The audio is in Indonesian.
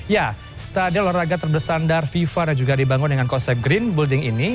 ya stadion olahraga terbesar darwiva juga dibangun dengan konsep green building ini